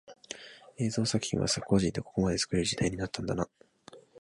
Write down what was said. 映像作品は個人でここまで作れる時代になったんだな